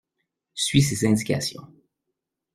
Suis ses indications.